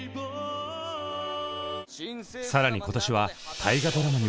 更に今年は大河ドラマにも。